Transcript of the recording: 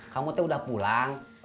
kamu tuh udah pulang